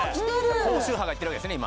高周波がいってるわけですね